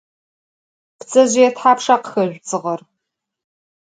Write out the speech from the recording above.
Ptsezjıê thapşşa khıxezjü dzığer?